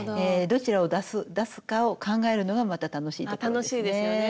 どちらを出すかを考えるのがまた楽しいところですね。